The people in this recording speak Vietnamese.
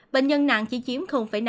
bệnh nhân nặng chỉ chiếm năm